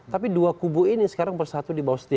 tapi dua kubu ini sekarang bersatu di bawah